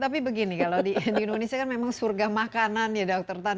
tapi begini kalau di indonesia kan memang surga makanan ya dokter tan